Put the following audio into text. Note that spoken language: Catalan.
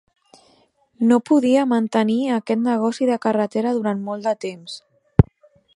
No podia mantenir aquest negoci de carretera durant molt de temps.